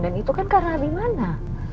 dan itu kan karena abimana